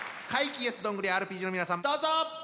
ＹｅｓどんぐりＲＰＧの皆さんどうぞ！